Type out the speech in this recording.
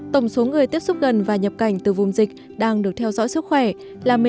tổng số người tiếp xúc gần và nhập cảnh từ vùng dịch đang được theo dõi sức khỏe là một mươi năm tám trăm chín mươi bảy người